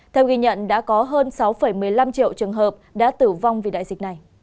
theo ghi nhận đã có hơn sáu một mươi năm triệu trường hợp đã tử vong vì đại dịch này